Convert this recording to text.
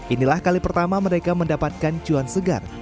inilah kali pertama mereka mendapatkan cuan segar